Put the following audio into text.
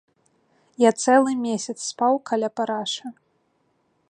Я цэлы месяц спаў каля парашы.